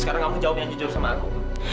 sekarang kamu jawab yang jujur sama aku